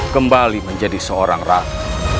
kembali menjadi seorang rakyat